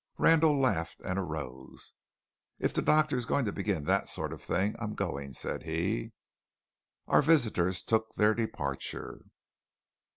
Randall laughed and arose. "If the doctor is going to begin that sort of thing, I'm going," said he. Our visitors took their departure.